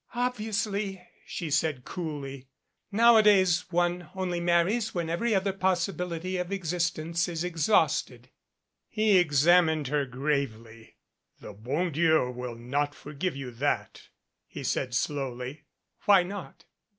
"Obviously," she said coolly. "Nowadays one only marries when every other possibility of existence is ex hausted." 174 PERE GUEGOU'S ROSES He examined her gravely. "The bon Dieu will not forgive you that," he said slowly. "Why not?"